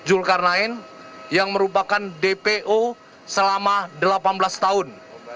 zulkarnain yang merupakan dpo selama delapan belas tahun